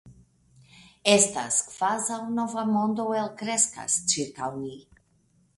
Estas kvazaŭ nova mondo elkreskas ĉirkaŭ ni.